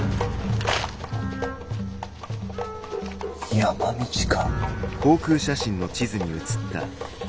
山道か？